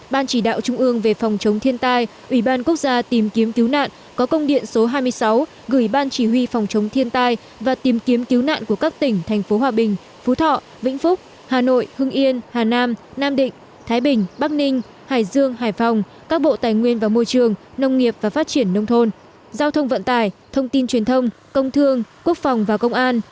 ban chỉ đạo trung ương về phòng chống thiên tai ủy ban quốc gia tìm kiếm cứu nạn có công điện số hai mươi sáu gửi ban chỉ huy phòng chống thiên tai và tìm kiếm cứu nạn của các tỉnh thành phố hòa bình phú thọ vĩnh phúc hà nội hưng yên hà nam nam định thái bình bắc ninh hải dương hải phòng các bộ tài nguyên và môi trường nông nghiệp và phát triển nông thôn giao thông vận tài thông tin truyền thông công thương quốc phòng và công an